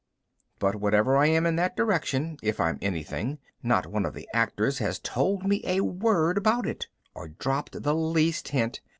But whatever I am in that direction if I'm anything not one of the actors has told me a word about it or dropped the least hint.